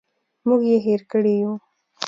موږ یې هېر کړي یوو.